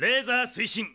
すいしん